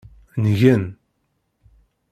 Ngen.